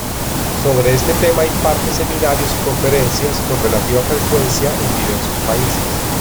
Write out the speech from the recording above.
Sobre este tema imparte seminarios y conferencias, con relativa frecuencia, en diversos países.